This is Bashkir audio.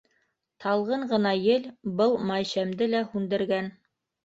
Талғын ғына ел был майшәмде лә һүндергән.